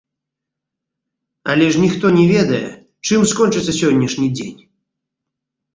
Але ж ніхто не ведае, чым скончыцца сённяшні дзень.